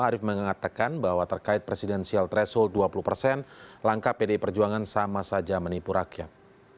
arief mengatakan bahwa terkait presidensial threshold dua puluh persen langkah pdi perjuangan sama saja menipu rakyat